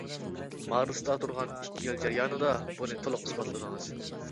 مارستا تۇرغان ئىككى يىل جەريانىدا بۇنى تولۇق ئىسپاتلىدىڭىز.